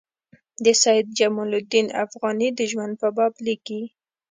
د سید جمال الدین افغاني د ژوند په باب لیکي.